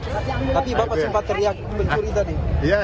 tapi bapak sempat teriak mencuri tadi